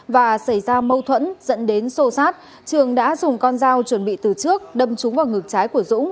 và xảy ra mâu thuẫn dẫn đến sô sát trường đã dùng con dao chuẩn bị từ trước đâm trúng vào ngực trái của dũng